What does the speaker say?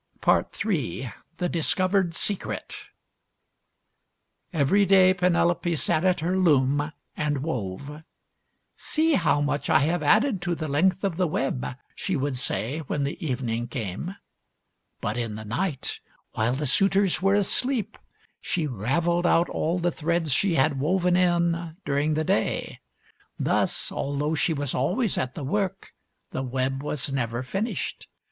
III. THE DISCOVERED SECRET Every day Penelope sat at her loom and wove. " See how much I have added to the length of the web," she would say when the evening came. But in the night, while the suitors were asleep, she raveled out all the threads she had woven in dur ing the day. Thus, although she was always at the work, the web was never finished.